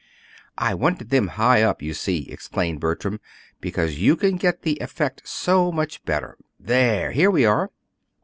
"I wanted them high up, you see," explained Bertram, "because you can get the effect so much better. There, here we are!"